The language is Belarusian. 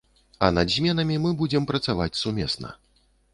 І над зменамі мы будзем працаваць сумесна.